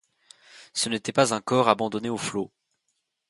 Ce n’était pas un corps abandonné aux flots.